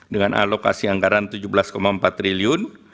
dengan alokasi anggaran rp tujuh belas empat triliun